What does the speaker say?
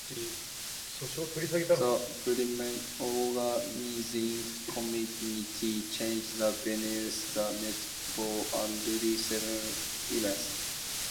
The Birmingham Organising Committee changed the venues of netball and rugby sevens events.